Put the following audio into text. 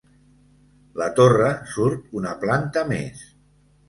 La torre surt una planta més.